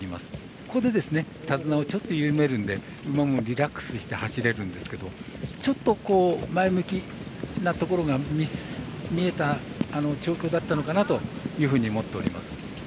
ここで手綱をちょっと緩めるので馬もリラックスして走れるんですけどちょっと前向きなところが見えた調教だったのかなというふうに思っております。